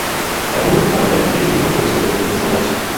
ব্যয় বহুল রাবার ব্যাগটি বিদেশ থেকে আনতে হচ্ছে বলে একটু সময় লাগছে।